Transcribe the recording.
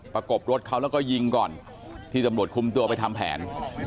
กบรถเขาแล้วก็ยิงก่อนที่ตำรวจคุมตัวไปทำแผน